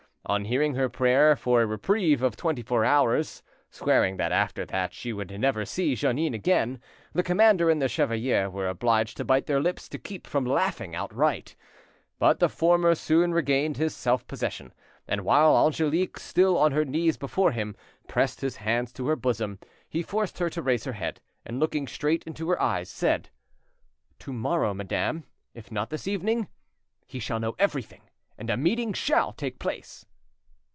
On hearing her prayer for a reprieve of twenty four hours, swearing that after that she would never see Jeannin again, the commander and the chevalier were obliged to bite their lips to keep from laughing outright. But the former soon regained his self possession, and while Angelique, still on her knees before him, pressed his hands to her bosom, he forced her to raise her head, and looking straight into her eyes, said— "To morrow, madame, if not this evening, he shall know everything, and a meeting shall take place."